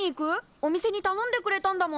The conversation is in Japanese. お店にたのんでくれたんだもんね。